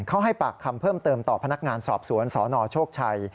เขาให้ปากคำเพิ่มเติมต่อพนักงานสอบสวนสนโชคชัย